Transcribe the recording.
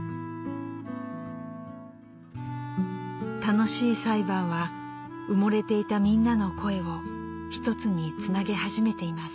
“楽しい”裁判は埋もれていたみんなの声をひとつに繋げ始めています。